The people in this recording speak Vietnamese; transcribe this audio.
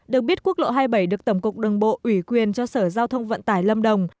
được biết quốc lộ hai mươi bảy được tổng cục đường bộ ủy quyền cho sở giao thông vận tải lâm đồng